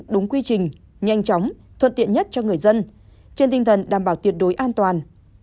đúng quy trình nhanh chóng thuận tiện nhất cho người dân trên tinh thần đảm bảo tuyệt đối an toàn